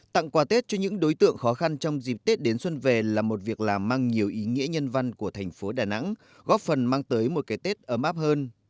tặng quà tết cho những đối tượng khó khăn trong dịp tết đến xuân về là một việc làm mang nhiều ý nghĩa nhân văn của thành phố đà nẵng góp phần mang tới một cái tết ấm áp hơn